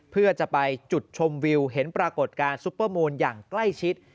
เพื่อจะไปจุดชมวิวเห็นปรากฏการณซุปเปอร์มูลอย่างใกล้ชิด